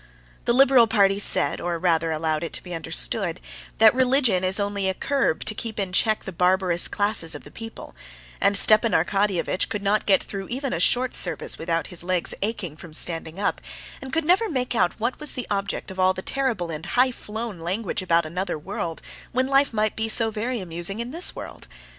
The liberal party said, or rather allowed it to be understood, that religion is only a curb to keep in check the barbarous classes of the people; and Stepan Arkadyevitch could not get through even a short service without his legs aching from standing up, and could never make out what was the object of all the terrible and high flown language about another world when life might be so very amusing in this world.